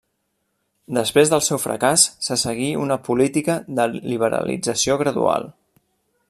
Després del seu fracàs, se seguí una política de liberalització gradual.